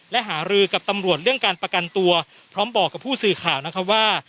และหารือกับตำรวจเรื่องการประกันตัวพร้อมบอกกับผู้สื่อข่าวนะครับว่า